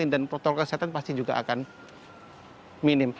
dan protokol kesehatan pasti juga akan minim